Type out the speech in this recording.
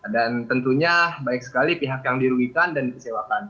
dan tentunya baik sekali pihak yang dirugikan dan dikecewakan